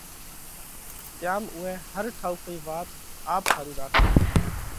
تيام اُوئي هر ٺائُوڪئِي وات آپ ۿارُو راکئِي